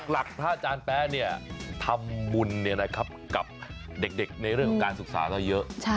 หลักพระอาจารย์แป๊ะทำบุญกับเด็กในเรื่องของการศึกษาก็เยอะ